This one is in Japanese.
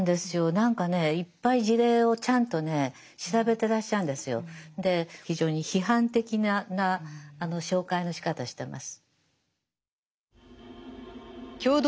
何かねいっぱい事例をちゃんとね調べてらっしゃるんですよ。で非常に批判的な紹介のしかたしてます。